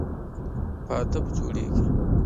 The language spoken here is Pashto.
په هدف جوړیږي.